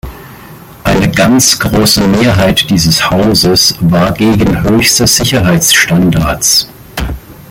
Eine ganz große Mehrheit dieses Hauses war gegen höchste Sicherheitsstandards.